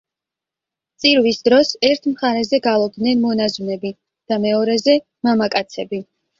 წირვის დროს ერთ მხარეზე გალობდნენ მონაზვნები და მეორეზე მამაკაცები.